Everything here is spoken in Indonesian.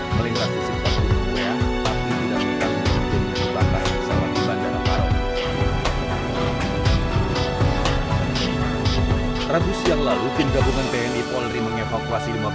karena akan dapat mengganggu upaya pencarian dan penyelamatan pilot